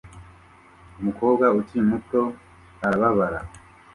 Umukobwa ukiri muto arababara